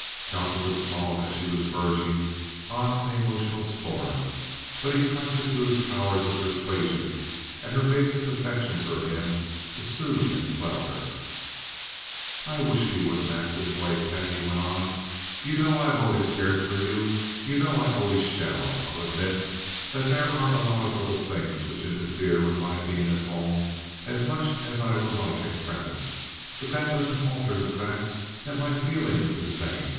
Cowperwood saw that she was verging on an emotional storm, but he trusted to his powers of persuasion, and her basic affection for him, to soothe and quell her. "I wish you wouldn't act this way, pet," he went on. "You know I have always cared for you. You know I always shall. I'll admit that there are a lot of little things which interfere with my being at home as much as I would like at present; but that doesn't alter the fact that my feeling is the same.